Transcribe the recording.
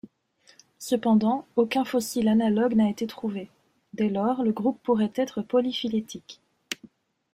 Cependant aucun fossile analogue n'a été trouvé, dès lors le groupe pourrait être polyphylétique.